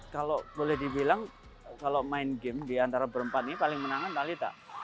kalo boleh dibilang kalo main game diantara berempat ini paling menangan talitha